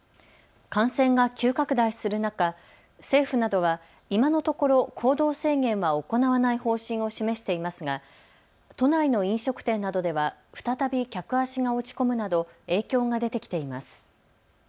感染が急拡大する中、政府などは今のところ行動制限は行わない方針を示していますが都内の飲食店などでは再び客足が落ち込むなど影響が出てきています。